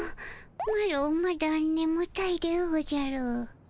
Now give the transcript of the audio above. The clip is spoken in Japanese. マロまだねむたいでおじゃる。